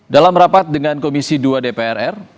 dalam rapat dengan komisi dua dprr